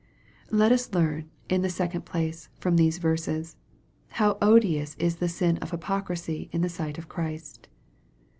Let us learn, in the second place, from these verses, how odious is the sin of hypocrisy in the sight of Christ.